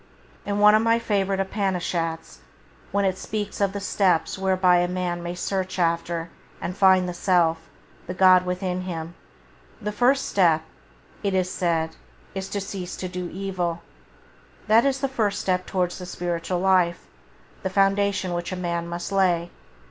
In one of my favourite Upanishats, when it speaks of the steps whereby a man may search after and find the Self, the God within him, the first step, it is said, is to "cease to do evil". That is the first step towards the spiritual life, the foundation which a man must lay.